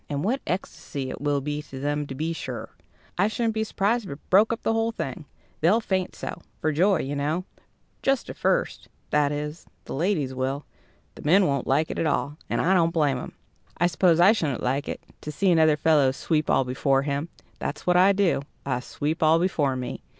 And what ecstasy it will be to them, to be sure! I shouldn't be surprised if it broke up the whole thing. They'll faint so for joy, you know just at first that is, the ladies will. The men won't like it at all; and I don't blame 'em. I suppose I shouldn't like it to see another fellow sweep all before him. That's what I do; I sweep all before me."